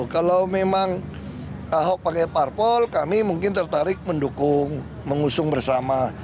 kalau memang ahok pakai parpol kami mungkin tertarik mendukung mengusung bersama